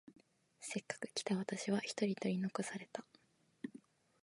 せっかく来た私は一人取り残された。